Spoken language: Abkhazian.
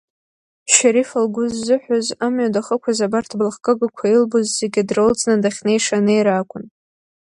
Шьарифа лгәы ззыҳәоз амҩа дахьықәыз абарҭ аблахкыгақәа илбоз зегьы дрылҵны дахьнеиша анеира акәын.